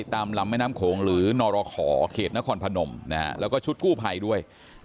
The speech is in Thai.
ตามลำแม่น้ำโขงหรือนรขอเขตนครพนมแล้วก็ชุดกู้ภัยด้วย